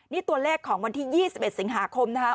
นี่ตัวเลขของวันที่๒๑สิงหาคมนะครับ